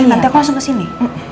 nanti aku langsung kesini